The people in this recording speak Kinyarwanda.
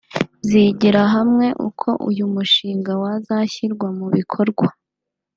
zigira hamwe uko uyu mushinga wazashyirwa mu bikorwa